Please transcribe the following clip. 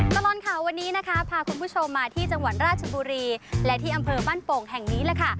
ตลอดข่าววันนี้นะคะพาคุณผู้ชมมาที่จังหวัดราชบุรีและที่อำเภอบ้านโป่งแห่งนี้แหละค่ะ